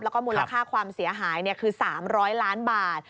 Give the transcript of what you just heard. แล้วก็มูลค่าความเสียหายคือ๓๐๐ล้านบาท